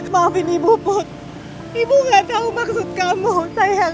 maafin ibu put ibu nggak tahu maksud kamu sayang